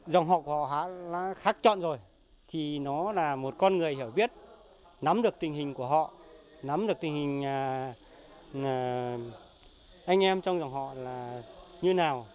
dòng họ của họ khác chọn rồi thì nó là một con người hiểu biết nắm được tình hình của họ nắm được tình hình anh em trong dòng họ là như nào